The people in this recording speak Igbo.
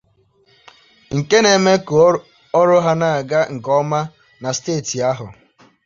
nke na-eme ka ọrụ ha na-aga nke ọma na steeti ahụ.